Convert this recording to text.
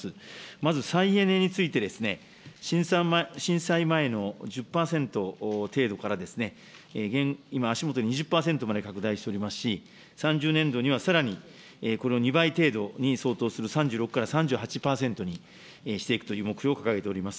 まず再エネについて、震災前の１０％程度から、今、足下で２０％まで拡大しておりますし、３０年度にはさらに、これを２倍程度に相当する３６から３８％にしていくという目標を掲げております。